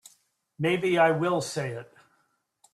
Maybe I will say it.